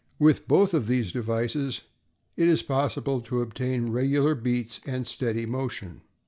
With both of these devices it is possible to obtain regular beats and steady motion.